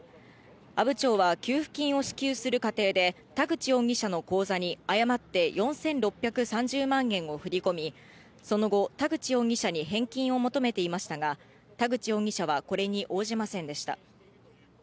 阿武町は給付金を支給する過程で田口容疑者の口座に誤って４６３０万円を振り込み、その後、田口容疑者に返金を求めていましたが、田口容疑者はこれに応じませんでした。